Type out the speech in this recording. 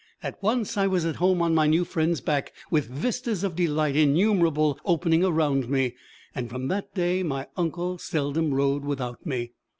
At once I was at home on my new friend's back, with vistas of delight innumerable opening around me, and from that day my uncle seldom rode without me.